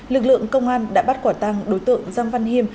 lực lượng công an đã bắt quả tăng đối tượng giang văn hiêm